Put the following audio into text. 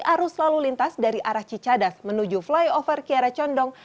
arus lalu lintas dari arah cicadas menuju flyover kiara condong